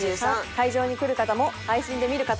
会場に来る方も配信で見る方も。